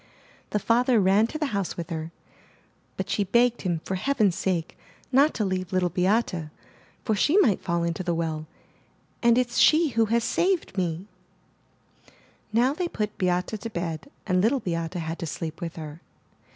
The father ran to the house with her, but she begged him for heaven's sake not to leave Little 430 THE NURSERY Beate, for she might fall into the well, ''And it's she who has saved me/* Now they put Beate to bed and Little Beate had to sleep with her.